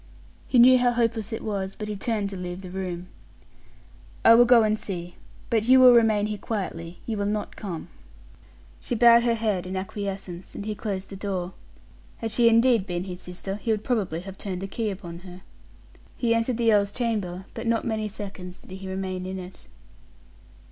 He knew how hopeless it was, but he turned to leave the room. "I will go and see. But you will remain here quietly you will not come." She bowed her head in acquiescence, and he closed the door. Had she indeed been his sister, he would probably have turned the key upon her. He entered the earl's chamber, but not many seconds did he remain in it.